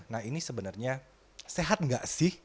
nah ini sebenarnya sehat nggak sih